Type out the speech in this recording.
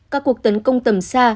các cuộc tấn công tầm xa